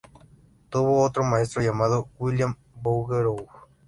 Tuvo otro maestro llamado William Bouguereau.